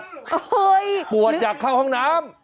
เฮ้ยหรือปวดอยากเข้าห้องน้ำ